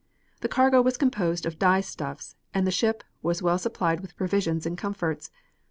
The cargo was composed of dye stuffs, and the ship was well supplied with provisions and comforts.